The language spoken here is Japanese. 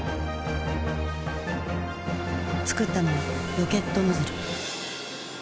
作ったのはロケットノズル。